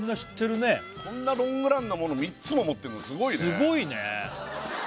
もうこんなロングランのもの３つも持ってんのすごいねすごいね！